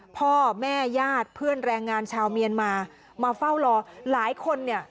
พ่อแม่ญาติเพื่อนแรงงานชาวเมียนมามาเฝ้ารอหลายคนเนี่ย